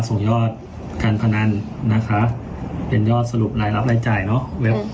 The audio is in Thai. ยอดการพนันนะคะเป็นยอดสรุปรายรับรายจ่ายเนอะ